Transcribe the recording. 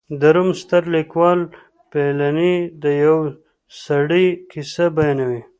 د روم ستر لیکوال پیلني د یوه سړي کیسه بیانوي